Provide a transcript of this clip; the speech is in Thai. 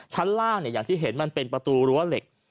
ชั้นล่างอย่างที่เห็นมันเป็นประตูรั้วเหล็ก